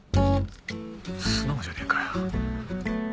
素直じゃねえかよ。